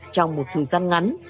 trong một thời gian ngắn